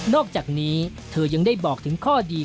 อกจากนี้เธอยังได้บอกถึงข้อดี